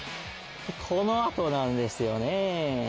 この後なんですよね。